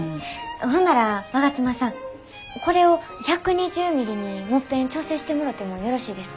ほんなら我妻さんこれを１２０ミリにもっぺん調整してもろてもよろしいですか？